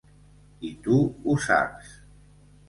I tu ho saps.